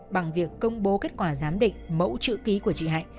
bằng việc công bố kết quả giám định mẫu chữ ký của chị hạnh